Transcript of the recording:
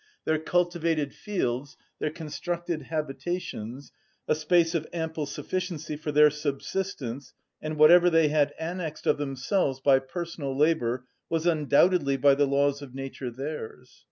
Their cultivated fields, their constructed habitations, a space of ample sufficiency for their subsistence, and whatever they had annexed of themselves by personal labour, was undoubtedly by the laws of nature theirs.